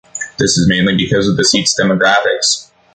This is mainly because of the seat's demographics.